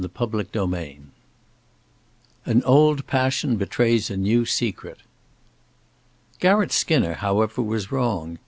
CHAPTER XIV AN OLD PASSION BETRAYS A NEW SECRET Garratt Skinner, however, was wrong.